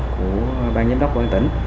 của ban giám đốc quân tỉnh